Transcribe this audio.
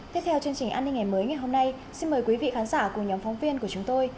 tiếp theo chương trình an ninh ngày mới ngày hôm nay xin mời quý vị khán giả cùng nhóm phóng viên của chúng tôi